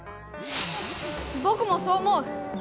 ぼくもそう思う。